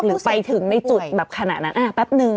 หรือไปถึงในจุดแบบขณะนั้นแป๊บนึง